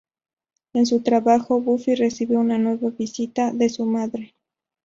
En su trabajo, Buffy recibe una nueva visita de su madre.